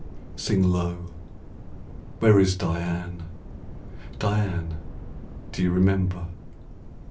Sing low, where is Diane? Diane do you remember?